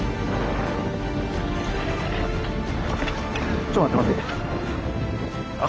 ちょっと待って待って。